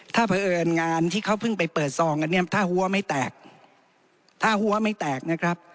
ถ้าเผลองานที่เขาเพิ่งไปเปิดซองอันนี้ถ้าหัวไม่แตก